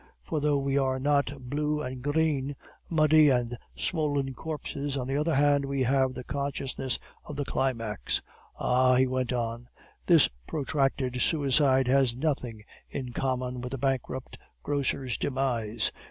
For though we are not blue and green, muddy and swollen corpses, on the other hand we have the consciousness of the climax. "'Ah,' he went on, 'this protracted suicide has nothing in common with the bankrupt grocer's demise.